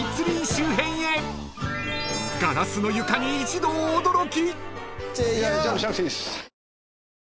［ガラスの床に一同驚き！］